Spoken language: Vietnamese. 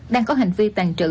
đang có hành vi tàn trữ